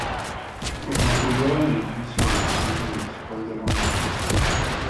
Reconstruyó el edificio de la Presidencia Municipal de Ramos Arizpe.